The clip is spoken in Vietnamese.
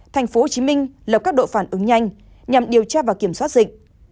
tp hcm lập các đội phản ứng nhanh nhằm điều tra và kiểm soát dịch